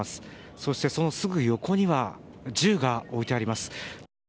そして、そのすぐ横には銃が置いてあります。